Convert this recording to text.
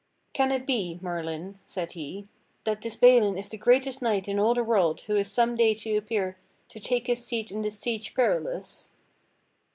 "Can it be. Merlin," said he, that this Balin is that greatest knight in all the world who is some day to appear to take his seat in the Siege Perilous?"